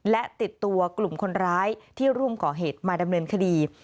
และติดตัวกลุ่มคนร้ายที่ร่วมก่อเหตุมาดำเนินคดี